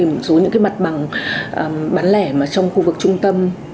một số mặt bằng bán lẻ trong khu vực trung tâm